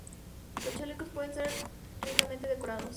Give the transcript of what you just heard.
Los chalecos puede ser ricamente decorado.